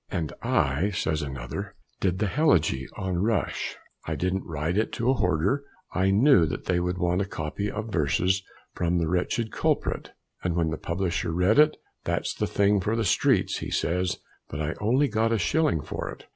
"And I," says another, "did the helegy on Rush. I didn't write it to horder; I knew that they would want a copy of verses from the wretched culprit. And when the publisher read it; 'that's the thing for the streets,' he says. But I only got a shilling for it."